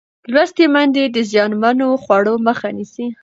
لوستې میندې د زیانمنو خوړو مخه نیسي.